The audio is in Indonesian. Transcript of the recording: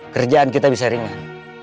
kerjaan kita bisa ringan